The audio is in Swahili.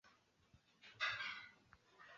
akifumania nyavu mara thelathini na moja